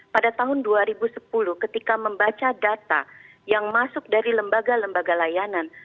pada tahun dua ribu sepuluh ketika membaca data yang masuk dari lembaga lembaga layanan